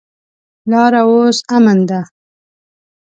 لاره اوس امن ده.